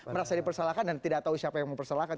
merasa dipersalahkan dan tidak tahu siapa yang mempersalahkan